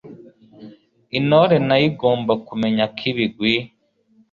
intore na yo igomba kumenya ko ibigwi